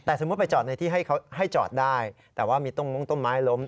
แต่สมมติไปจอดในที่ให้จอดได้แต่ว่ามีต้มไม้ลง